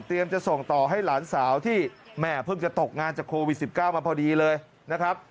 จะส่งต่อให้หลานสาวที่แม่เพิ่งจะตกงานจากโควิด๑๙มาพอดีเลยนะครับ